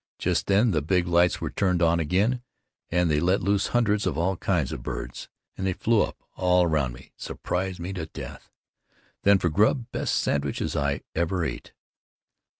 Just then the big lights were turned on again and they let loose hundreds of all kinds of birds, and they flew up all around me, surprised me to death. Then for grub, best sandwiches I ever ate.